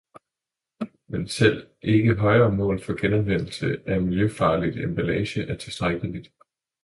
Men selv ikke højere mål for genanvendelse af miljøfarligt emballage er tilstrækkeligt.